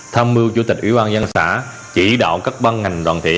tham mưu chủ tịch ủy ban dân xã chỉ đạo các ban ngành đoàn thể